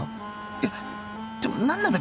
いやでも何なんだ？